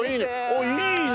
おっいいね！